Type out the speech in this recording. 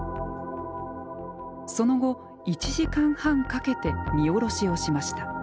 その後１時間半かけて荷降ろしをしました。